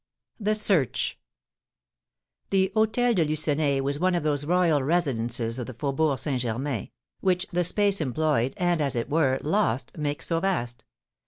THE SEARCH. The Hôtel de Lucenay was one of those royal residences of the Faubourg St. Germain, which the space employed, and, as it were, lost, make so vast.